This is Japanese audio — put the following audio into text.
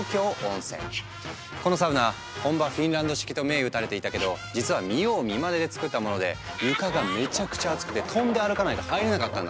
このサウナ本場フィンランド式と銘打たれていたけど実は見よう見まねで作ったもので床がめちゃくちゃアツくて跳んで歩かないと入れなかったんだって。